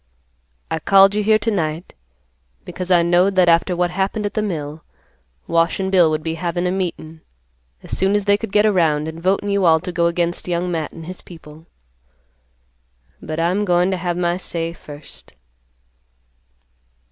I called you here to night, because I knowed that after what happened at the mill, Wash and Bill would be havin' a meetin' as soon as they could get around, and votin' you all to go against Young Matt and his people. But I'm goin' to have my say first."